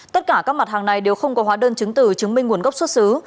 tất cả các mặt hàng này đều không có hóa đơn chứng từ chứng minh nguồn gốc xuất xứ